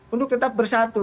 untuk tetap bersatu